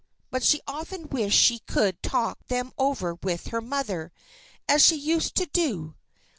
But she often wished she could talk them over with her mother, as she used to do.